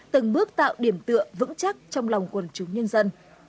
từng bước tạo điểm tựa vững chắc trong lòng quần chúng nhân dân